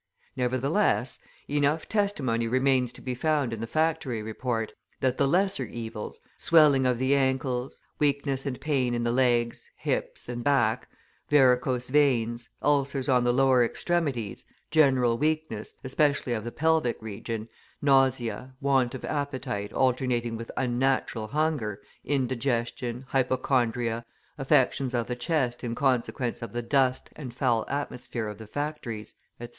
Nevertheless, enough testimony remains to be found in the Factory Report, that the lesser evils, swelling of the ankles, weakness and pain in the legs, hips, and back, varicose veins, ulcers on the lower extremities, general weakness, especially of the pelvic region, nausea, want of appetite alternating with unnatural hunger, indigestion, hypochondria, affections of the chest in consequence of the dust and foul atmosphere of the factories, etc.